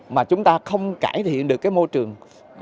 mà chúng ta không cải thiện được môi trường